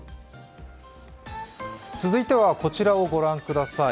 続いてはこちらを御覧ください。